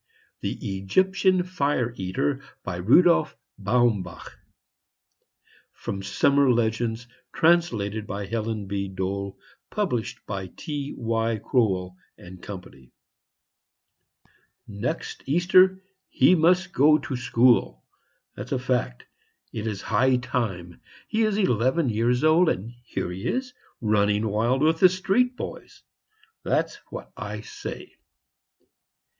THE EGYPTIAN FIRE EATER BY RUDOLPH BAUMBACH From "Summer Legends," translated by Helen B. Dole. Published by T. Y. Crowell & Co. Copyright, 1888, by T.Y. Crowell & Co Next Easter he must go to N to school. Fact. It is high time; he is eleven years old, and here he is running wild with the street boys. That's what I say."